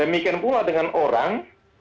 yang bergantung juga dengan orang